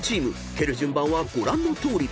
蹴る順番はご覧のとおり］